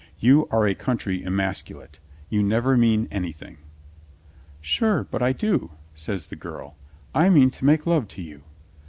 You are a country emasculate. You never mean anything." "Sure, but I do," says the girl. "I mean to make love to you."